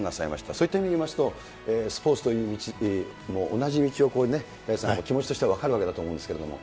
そういった意味で言いますと、スポーツという道も同じ道を、大地さんも気持ちとしては分かると思うんですけれども。